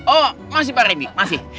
oh masih pak remi masih